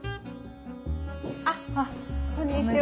あっこんにちは。